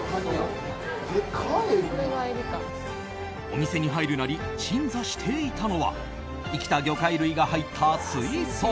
お店に入るなり鎮座していたのは生きた魚介類が入った水槽。